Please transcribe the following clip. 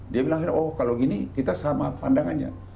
dia bilang oh kalau gini kita sama pandangannya